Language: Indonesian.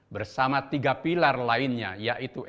bersama tiga pilar lainnya yaitu